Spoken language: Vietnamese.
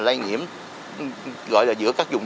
lây nhiễm gọi là giữa các dùng